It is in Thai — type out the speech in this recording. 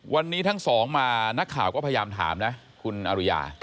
วันนี้ทั้งสองมานักข่าวก็พยายามถามนะคุณอริยา